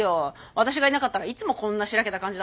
私がいなかったらいつもこんな白けた感じなんですか？